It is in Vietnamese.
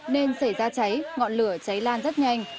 nên xảy ra cháy ngọn lửa cháy lan rất nhanh